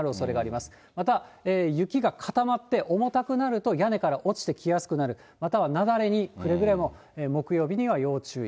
また、雪が固まって重たくなると、屋根から落ちてきやすくなる、または雪崩にくれぐれも、木曜日には要注意。